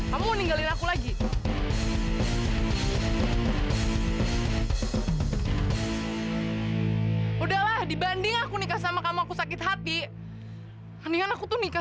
sampai jumpa di video selanjutnya